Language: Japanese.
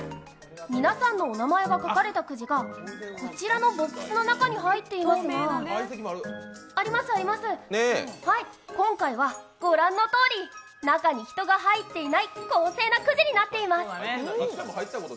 皆さんのお名前が書かれたくじがこちらのボックスの中に入っていますが今回は御覧のとおり中に人が入っていない、公正なくじになっています。